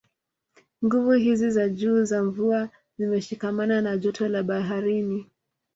Nguvu hizi za juu za mvua zimeshikamana na joto la baharini